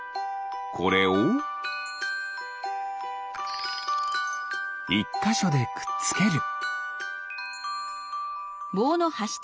これを１かしょでくっつける。